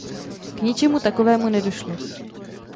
K ničemu takovému nedošlo.